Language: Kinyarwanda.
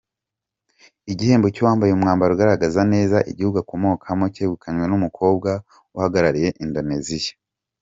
Igihembo cy’uwambaye mwambaro ugaragaza neza igihugu akomokamo cyegukanywe n’umukobwa uhagarariye Indonesia.